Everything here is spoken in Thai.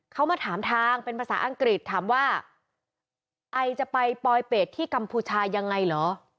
เขามาถามทางเป็นภาษาอังกฤษถามว่าไอจะไปปลอยเป็ดที่กัมพูชายังไงเหรอ